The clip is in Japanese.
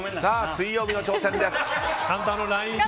水曜日の挑戦です。